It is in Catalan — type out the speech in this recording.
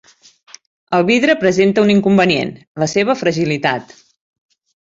El vidre presenta un inconvenient, la seva fragilitat.